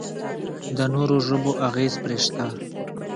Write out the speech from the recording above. د نورو ژبو اغېز پرې شته.